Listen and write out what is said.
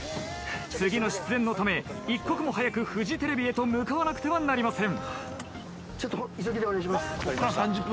次の出演のため一刻も早くフジテレビへと向かわなくてはなりません。